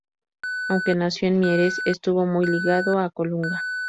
Aunque nació en Mieres, estuvo muy ligado a Colunga.